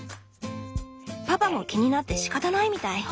パパも気になってしかたないみたい。